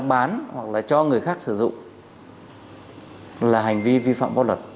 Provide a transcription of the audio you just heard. bán hoặc là cho người khác sử dụng là hành vi vi phạm pháp luật